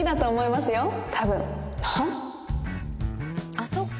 あっそっか。